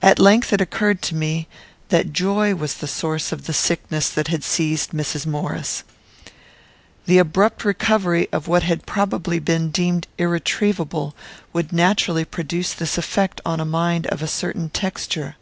At length it occurred to me, that joy was the source of the sickness that had seized Mrs. Maurice. The abrupt recovery of what had probably been deemed irretrievable would naturally produce this effect upon a mind of a certain texture.